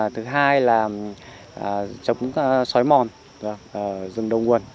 thứ hai là chống xói mòn rừng đồng nguồn